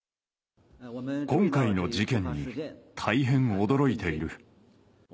今回の事件に大変驚いている。